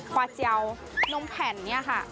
กวาเจียวนมแผ่นอย่างนี้ค่ะ